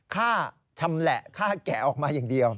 ค่าชำแหละค่าแกะออกมาอย่างเดียว